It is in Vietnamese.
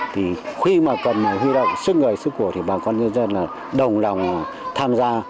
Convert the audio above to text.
thì khi mà cần này huy động sức người sức của thì bà con nhân dân là đồng lòng tham gia